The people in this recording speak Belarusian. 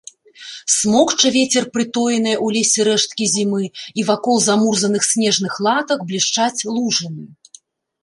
Смокча вецер прытоеныя ў лесе рэшткі зімы, і вакол замурзаных снежных латак блішчаць лужыны.